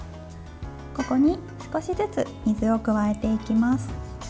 ここに少しずつ水を加えていきます。